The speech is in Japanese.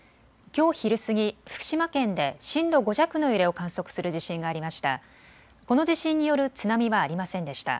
きょう昼すぎ福島県で震度５弱の揺れを観測する地震がありました。